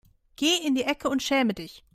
Geh in die Ecke und schäme dich.